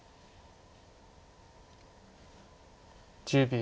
１０秒。